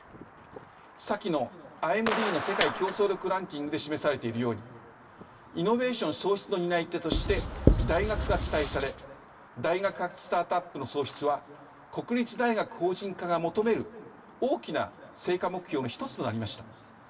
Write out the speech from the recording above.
先のＩＭＤの世界競争力ランキングで示されているようにイノベーション創出の担い手として大学が期待され大学発スタートアップの創出は国立大学法人化が求める大きな成果目標の一つとなりました。